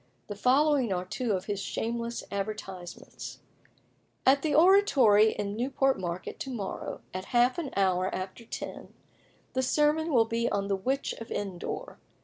The following are two of his shameless advertisements: "At the Oratory in Newport Market, to morrow, at half an hour after ten, the sermon will be on the Witch of Endor.